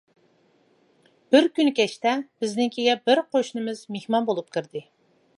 بىر كۈنى كەچتە بىزنىڭكىگە بىر قوشنىمىز مېھمان بولۇپ كىردى.